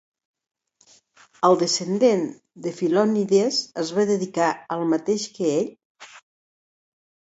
El descendent de Filonides es va dedicar al mateix que ell?